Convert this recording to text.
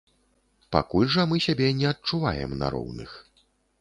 Пакуль жа мы сябе не адчуваем на роўных.